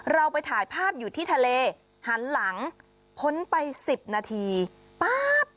เราไปถ่ายภาพอยู่ที่ทะเลหันหลังพ้นไป๑๐นาทีป๊าบ